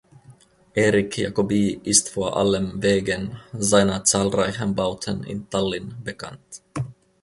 Erich Jacoby ist vor allem wegen seiner zahlreichen Bauten in Tallinn bekannt.